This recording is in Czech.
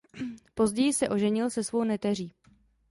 Později se oženil se svou neteří.